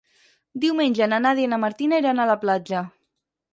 Diumenge na Nàdia i na Martina iran a la platja.